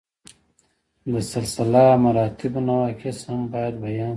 د سلسله مراتبو نواقص هم باید بیان شي.